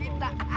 eh eh bang ajar